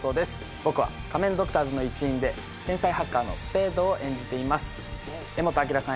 僕は仮面ドクターズの一員で天才ハッカーのスペードを演じています柄本明さん